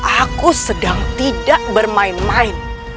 aku sedang tidak bermain main